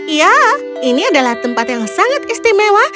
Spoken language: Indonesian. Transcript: ya ini adalah tempat yang sangat istimewa